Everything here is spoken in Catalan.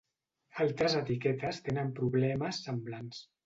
Altres etiquetes tenen problemes semblants.